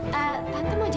tapi jamunya tetap enak kok